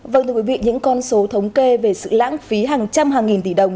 vâng thưa quý vị những con số thống kê về sự lãng phí hàng trăm hàng nghìn tỷ đồng